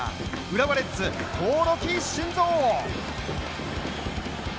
浦和レッズ、興梠慎三。